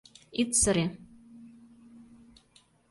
Ит сыре.